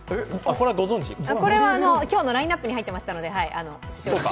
今日のラインナップに入ってましたので。